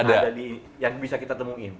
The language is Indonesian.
ada di yang bisa kita temuin